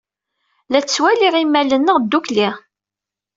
La ttwaliɣ imal-nneɣ ddukkli.